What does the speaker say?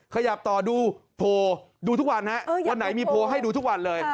ขยับต่อดูโพลดูทุกวันฮะวันไหนมีโพลให้ดูทุกวันเลย